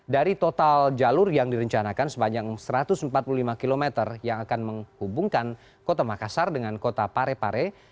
dari total jalur yang direncanakan sepanjang satu ratus empat puluh lima km yang akan menghubungkan kota makassar dengan kota parepare